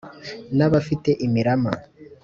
n’abafite imirama,